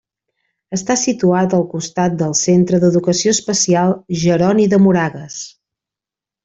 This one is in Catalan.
Està situat al costat del centre d'educació especial Jeroni de Moragues.